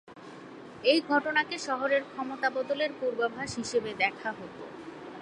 এই ঘটনাকে শহরের ক্ষমতা বদলের পূর্বাভাস হিসেবে দেখা হত।